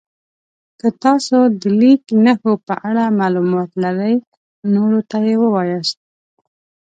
که تاسو د لیک نښو په اړه معلومات لرئ نورو ته یې ووایاست.